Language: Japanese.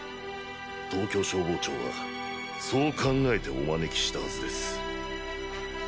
東京消防庁はそう考えてお招きしたはずです。